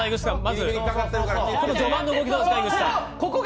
序盤の動きどうですか？